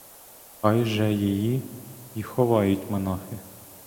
Хай же її й ховають монахи.